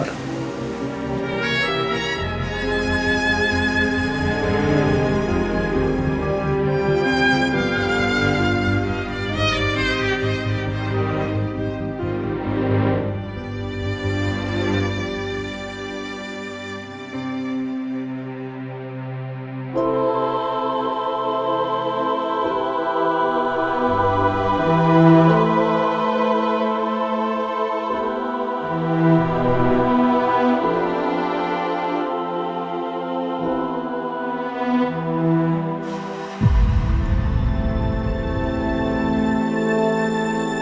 saya tunggu di luar